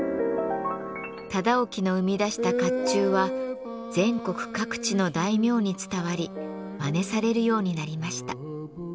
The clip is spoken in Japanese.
忠興の生み出した甲冑は全国各地の大名に伝わりまねされるようになりました。